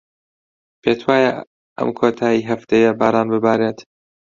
پێت وایە ئەم کۆتاییی هەفتەیە باران ببارێت؟